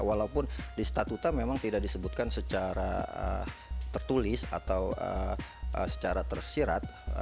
walaupun di statuta memang tidak disebutkan secara tertulis atau secara tersirat